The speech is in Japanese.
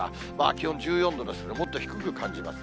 気温１４度ですけど、もっと低く感じます。